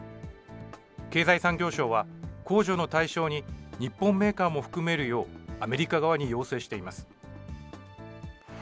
経済産業省は、控除の対象に日本メーカーも含めるようアメリカ側に要請しています。